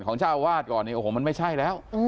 เจ้าอาวาสก่อนเนี่ยโอ้โหมันไม่ใช่แล้ว